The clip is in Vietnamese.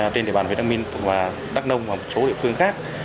tên địa bàn huyện đắk minh và đắk nông và một số địa phương khác